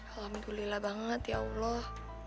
alhamdulillah banget ya allah